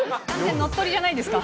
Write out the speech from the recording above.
乗っ取りじゃないですか。